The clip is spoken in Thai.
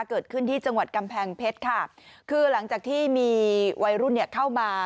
เกิดขึ้นที่จังหวัดกำแพงเพชรค่ะคือหลังจากที่มีวัยรุ่นเนี่ยเข้ามา